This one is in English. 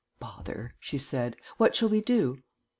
"Bother," she said. "What shall we do?"